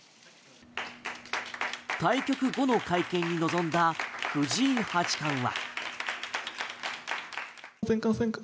対局後の会見に臨んだ藤井八冠は。